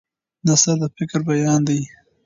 نثر د فکر بیان دی.